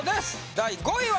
第５位は。